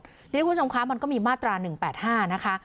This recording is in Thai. ทีนี้คุณผู้ชมคะมันก็มีมาตรา๑๘๕นะคะ